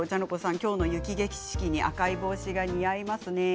今日の雪景色に赤い帽子が似合いますね。